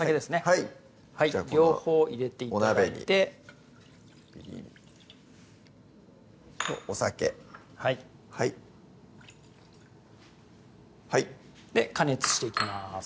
はい両方入れて頂いてみりんとお酒はいはいで加熱していきます